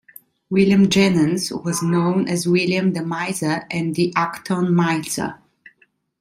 William Jennens was known as "William the Miser" and the "Acton Miser.